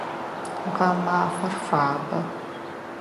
Гъэмафэр фабэ.